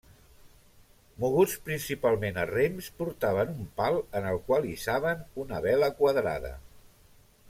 Moguts principalment a rems, portaven un pal en el qual hissaven una vela quadrada.